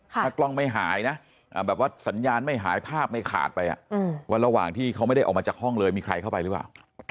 ถ้ากล้องไม่หายนะแบบว่าสัญญาณไม่หายภาพไม่ขาดไปว่าระหว่างที่เขาไม่ได้ออกมาจากห้องเลยมีใครเข้าไปหรือเปล่า